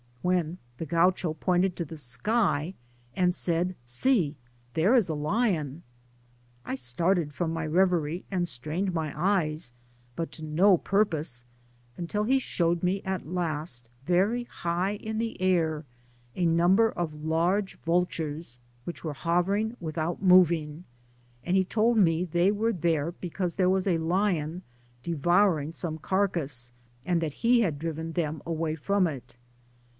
when the Gaucho pointed to the sky, and said, " See ! there is a lion !'* I started from my reverie, and strained my eyes, but to no purpose, until he showed me at last, very high in the air, a number of large vultures, which were hovering without moving ; and he told me they were there because there was a lion devouring some carcass, and that he had driven them away from it.